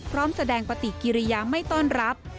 พร้อมแสดงปฏิกิริยาไม่ต้อนรับ